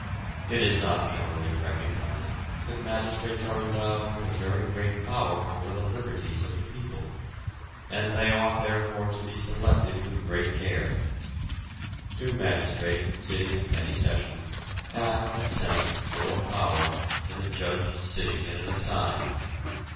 It is not generally recognised that magistrates are endowed with very great power over the liberties of the people, and they ought therefore to be selected with great care. Two magistrates sitting at Petty Sessions have in a sense more power than a judge sitting at an Assize.